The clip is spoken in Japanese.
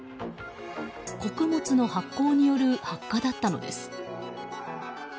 穀物の発酵による発火だったのです。